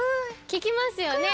聞きますよね。